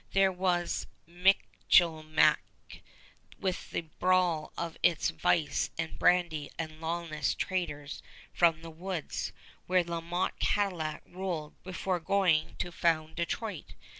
There was Michilimackinac, with the brawl of its vice and brandy and lawless traders from the woods, where La Motte Cadillac ruled before going to found Detroit.